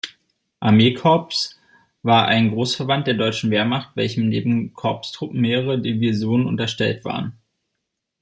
Armeekorps war ein Großverband der deutschen Wehrmacht, welchem neben Korpstruppen mehrere Divisionen unterstellt waren.